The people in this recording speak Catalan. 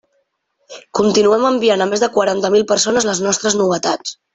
Continuem enviant a més de quaranta mil persones les nostres novetats.